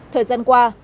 thời gian qua